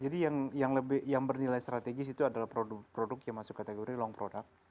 jadi yang lebih yang bernilai strategis itu adalah produk produk yang masuk kategori long product